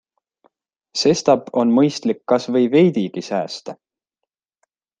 Sestap on mõistlik kasvõi veidigi säästa.